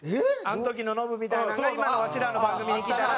あの時のノブみたいなんが今のワシらの番組に来たら。